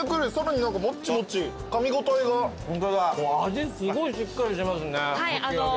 味すごいしっかりしてますねかき揚げ。